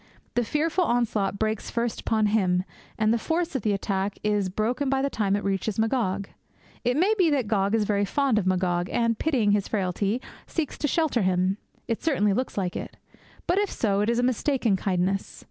The fearful onslaught breaks first upon him; and the force of the attack is broken by the time it reaches Magog. It may be that Gog is very fond of Magog, and, pitying his frailty, seeks to shelter him. It certainly looks like it. But, if so, it is a mistaken kindness.